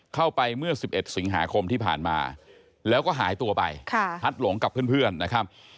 เข้าไปเมื่อ๑๑สิงหาคมที่ผ่านมาแล้วก็หายตัวไปพัดหลงกับเพื่อนนะครับ